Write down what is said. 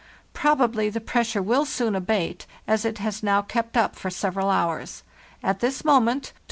Prob 40 FARTHEST NORTH ably the pressure will soon abate, as it has now kept up for several hours. At this moment (12.